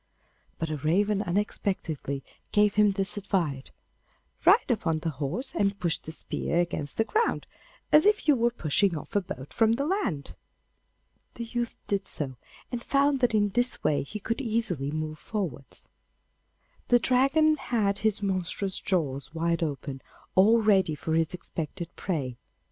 But a raven unexpectedly gave him this advice: 'Ride upon the horse, and push the spear against the ground, as if you were pushing off a boat from the land.' The youth did so, and found that in this way he could easily move forwards. The Dragon had his monstrous jaws wide open, all ready for his expected prey.